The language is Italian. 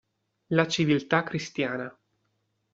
La civiltà cristiana.